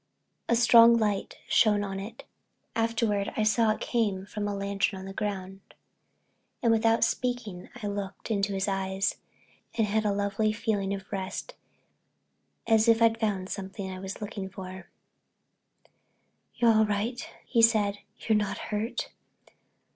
A strong yellow light shone on it—afterward I saw it came from a lantern on the ground—and without speaking I looked into his eyes, and had a lovely feeling of rest as if I'd found something I was looking for. "You're all right?" he said; "you're not hurt?"